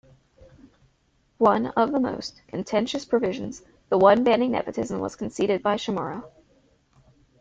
One of the most contentious provisions, the one banning nepotism was conceded by Chamorro.